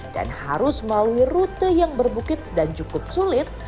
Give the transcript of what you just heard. dan harus melalui rute yang berbukit dan cukup sulit